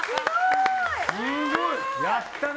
やったね！